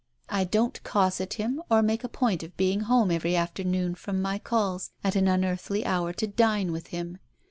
I don't cosset him, or make a point of being home every afternoon from my calls at an unearthly hour to dine with him.